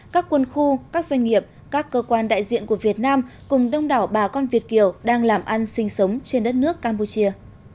các quân khu các doanh nghiệp các cơ quan đại diện của việt nam cùng đông đảo bà con việt kiều đang làm ăn sinh sống trên đất nước campuchia